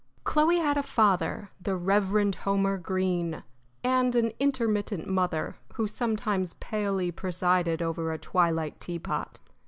Chloe had a father, the Reverend Homer Greene, and an intermittent mother, who sometimes palely presided over a twilight teapot.